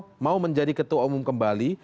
kalau mau menjadi ketua umum kembali